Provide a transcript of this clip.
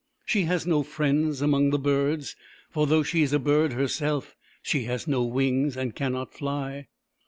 She has no friends among the birds, for though she is a bird herself, she has no wings, and cannot fly.